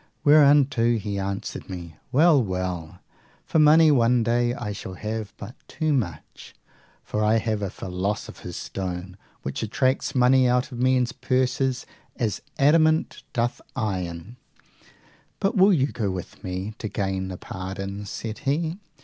Whereunto he answered me, Well, well; for money one day I shall have but too much, for I have a philosopher's stone which attracts money out of men's purses as the adamant doth iron. But will you go with me to gain the pardons? said he.